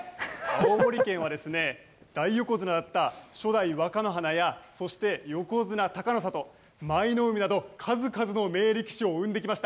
青森県は大横綱だった初代若乃花や、そして横綱・隆の里、舞の海など数々の名力士を生んできました。